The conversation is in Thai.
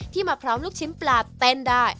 มาพร้อมลูกชิ้นปลาเต้นได้